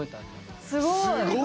すごい！